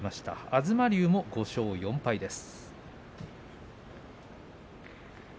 東龍も５勝４敗です。